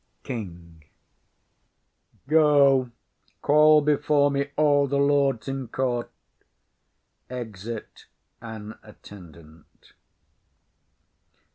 KING. Go, call before me all the lords in court. [_Exit an Attendant.